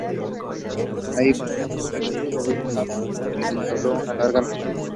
Allí conoció a Joseph Roswell Hawley, con quien entabló una larga amistad.